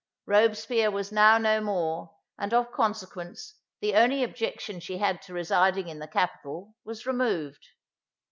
Robespierre was now no more, and, of consequence, the only objection she had to residing in the capital, was removed.